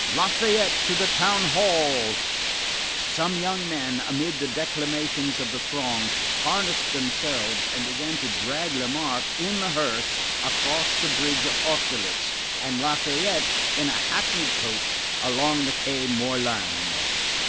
—Lafayette to the Town hall!" Some young men, amid the declamations of the throng, harnessed themselves and began to drag Lamarque in the hearse across the bridge of Austerlitz and Lafayette in a hackney coach along the Quai Morland.